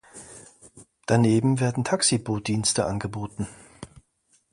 Daneben werden Taxibootdienste angeboten.